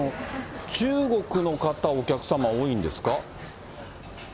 中国の方、お客様、多いんですか。